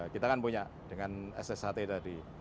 kita kan punya dengan ssht tadi